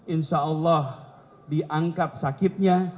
insya allah diangkat sakitnya